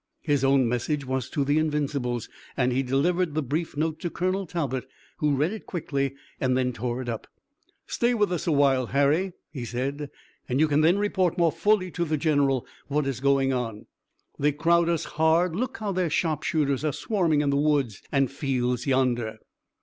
His own message was to the Invincibles and he delivered the brief note to Colonel Talbot, who read it quickly and then tore it up. "Stay with us a while, Harry," he said, "and you can then report more fully to the general what is going on. They crowd us hard. Look how their sharpshooters are swarming in the woods and fields yonder."